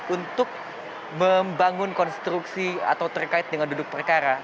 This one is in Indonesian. untuk membangun konstruksi atau terkait dengan duduk perkara